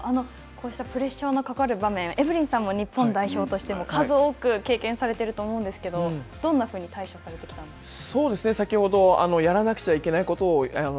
ルーティンはめちゃめちゃ大事でこうしたプレッシャーのかかる場面、エブリンさんも日本代表としても数多く経験されていると思うんですけれども、どんなふうに対処されてきたんですか。